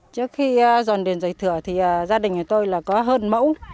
trước khi dồn niền rời thừa thì gia đình của tôi là có hơn mẫu